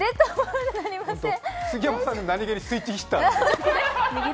杉山さん、何げにスイッチヒッター。